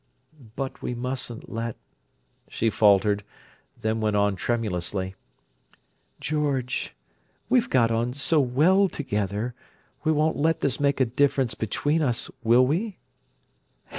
"But we mustn't let—" she faltered; then went on tremulously, "George, we've got on so well together, we won't let this make a difference between us, will we?"